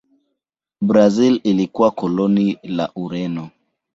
Brazil ilikuwa koloni la Ureno.